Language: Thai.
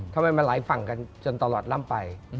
ทำไมมาหลายฝั่งกันจนตลอดล่ำไป